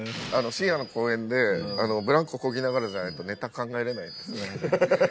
深夜の公園でブランコこぎながらじゃないとネタ考えれないんです。